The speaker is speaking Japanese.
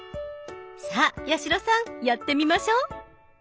さあ八代さんやってみましょう。